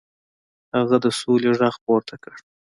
هغه د سولې غږ پورته کړ.